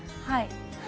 はい。